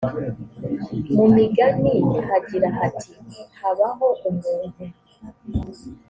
mu migani hagira hati habaho umuntu